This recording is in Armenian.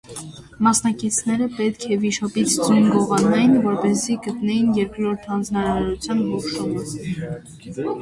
Մասնակիցները պետք է վիշապից ձուն գողանային, որպեսզի գտնեին երկրորդ հանձնարարության հուշումը։